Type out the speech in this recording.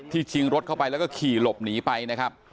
ชิงรถเข้าไปแล้วก็ขี่หลบหนีไปนะครับ